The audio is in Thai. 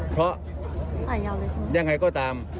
เพราะยังไงก็ตาม